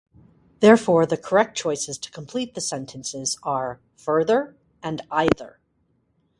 Therefore, the correct choices to complete the sentences are "further" and "either."